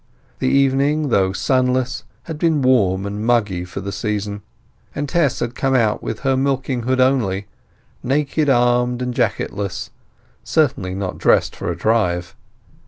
The evening, though sunless, had been warm and muggy for the season, and Tess had come out with her milking hood only, naked armed and jacketless; certainly not dressed for a drive.